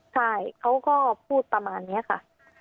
ใช่เขาก็พูดประมาณนี้ค่ะ